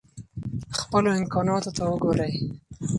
خپلو امکاناتو ته وګورئ.